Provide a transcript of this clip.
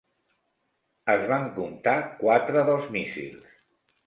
Es van comptar quatre dels míssils.